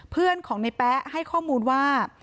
เพื่อนของในแป๊ะให้ข้อมูลว่า